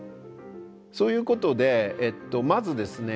そういうことでまずですね